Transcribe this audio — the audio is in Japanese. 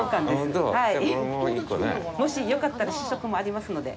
もし、よかったら試食もありますので。